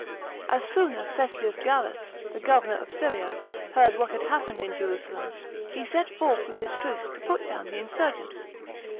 As soon as Cestius Gallus, the governor of Syria, heard what had happened in Jerusalem, he set forth with his troops to put down the insurgents.